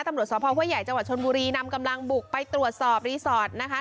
ตำรวจสภห้วยใหญ่จังหวัดชนบุรีนำกำลังบุกไปตรวจสอบรีสอร์ทนะคะ